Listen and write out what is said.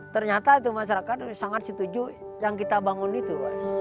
ternyata itu masyarakat sangat setuju yang kita bangun itu